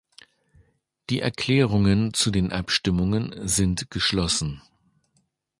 Die Erklärungen zu den Abstimmungen sind geschlossen.